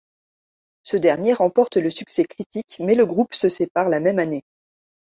Ce dernier remporte le succès critique, mais le groupe se sépare la même année.